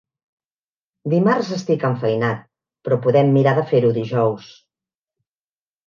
Dimarts estic enfeinat però podem mirar de fer-ho dijous.